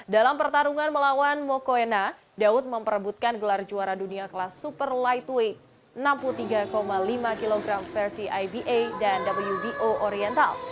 dalam pertarungan melawan mokoena daud memperebutkan gelar juara dunia kelas super lightway enam puluh tiga lima kg versi iba dan wbo oriental